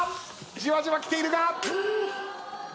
じわじわきているが。